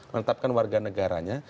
menetapkan warga negaranya